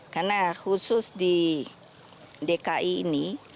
karena khusus di dki ini